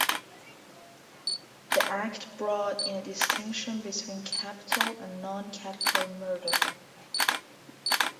The Act brought in a distinction between capital and non-capital murder.